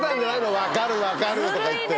「分かる分かる」とかいって。